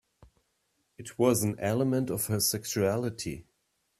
It was an element of her sexuality.